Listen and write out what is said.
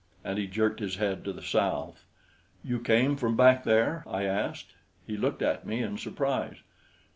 And he jerked his head to the south. "You came from back there?" I asked. He looked at me in surprise.